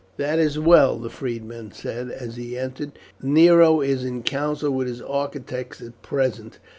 "That is well," the freedman said as he entered. "Nero is in council with his architects at present.